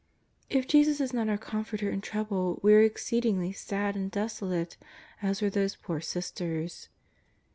If Jesus is not our Comforter in trouble we are exceedingly sad and desolate as were these poor sis ters.